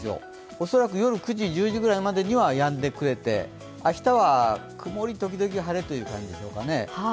恐らく夜９時、１０時くらいまでにはやんでくれて、明日は、曇り時々晴れという感じでしょうかね。